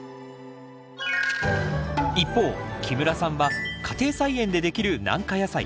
一方木村さんは家庭菜園でできる軟化野菜。